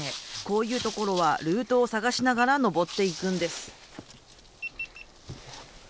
こういうところはルートを探しながら登っていくんです。